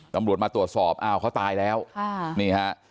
ตำรวจมาตรวจสอบอ้าวเขาตายแล้วค่ะนี่ฮะ